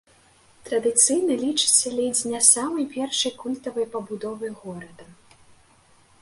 Традыцыйна лічыцца ледзь не самай першай культавай пабудовай горада.